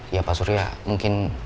ya pak surya mungkin